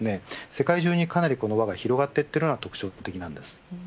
世界中に、この輪が広がっているのが特徴的です。